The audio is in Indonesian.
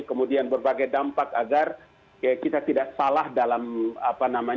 kemudian berbagai dampak agar kita tidak salah dalam